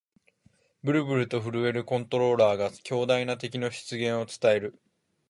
ブルブルと震えるコントローラーが、強大な敵の出現を伝える